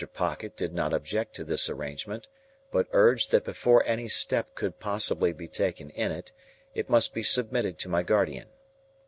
Pocket did not object to this arrangement, but urged that before any step could possibly be taken in it, it must be submitted to my guardian.